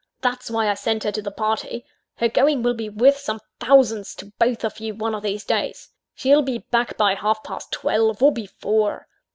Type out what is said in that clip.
That's why I sent her to the party her going will be worth some thousands to both of you one of these days. She'll be back by half past twelve, or before.